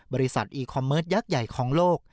อีคอมเมิร์ตยักษ์ใหญ่ของโลก